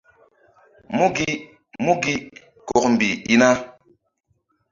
Mú gi! Mú gi! Kɔkmbih i na.